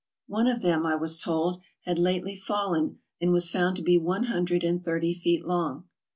One of them, I was told, had lately fallen, and was found to be one hundred and thirty feet long.